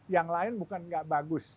yang lain bukan nggak bagus